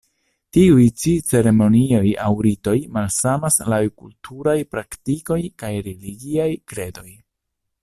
Tiuj ĉi ceremonioj aŭ ritoj malsamas laŭ kulturaj praktikoj kaj religiaj kredoj.